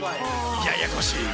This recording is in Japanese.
ややこしい。